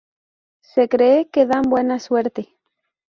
Se cree que dan buena suerte.